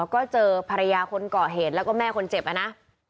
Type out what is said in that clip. ก็เจอภรรยาคนเกาะเหตุแล้วก็แม่คนเจ็บนะ